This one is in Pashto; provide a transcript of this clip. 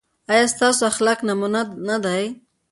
ایا ستاسو اخلاق نمونه نه دي؟